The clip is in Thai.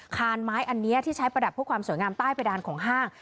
คานไม้อันนี้ที่ใช้ประดับเพื่อความสวยงามใต้เพดานของห้าง